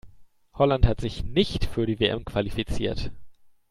Holland hat sich nicht für die WM qualifiziert.